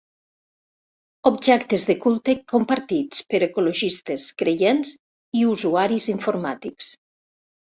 Objectes de culte compartits per ecologistes, creients i usuaris informàtics.